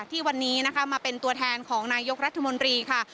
ที่วันนี้นะคะมาเป็นตัวแทนของนายกรัฐมนตรีค่ะ